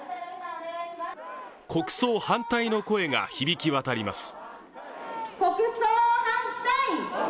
国葬反対の声が響き渡ります。